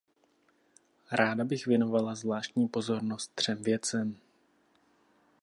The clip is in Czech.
Ráda bych věnovala zvláštní pozornost třem věcem.